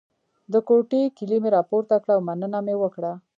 د کوټې کیلي مې راپورته کړه او مننه مې وکړه.